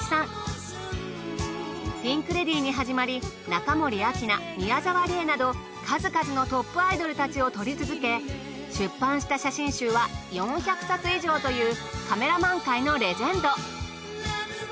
ピンク・レディーに始まり中森明菜宮沢りえなど数々のトップアイドルたちを撮り続け出版した写真集は４００冊以上というカメラマン界のレジェンド。